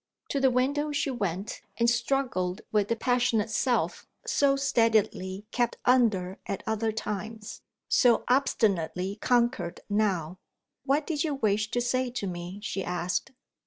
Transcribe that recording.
To the window she went, and struggled with the passionate self so steadily kept under at other times; so obstinately conquered now. "What did you wish to say to me?" she asked.